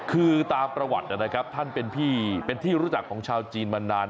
คือตามประวัตินะครับท่านเป็นที่รู้จักของชาวจีนมานาน